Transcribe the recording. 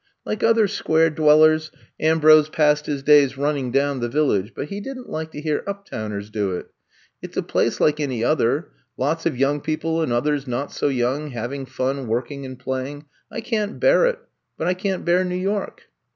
Like other Square dwellers, Ambrose passed his days running down the Village, but he did n 't like to hear uptowners do it. It 's a place like any other — ^lots of young people and others not so young, having fun working and playing. I can't bear it, but I can 't bear New York.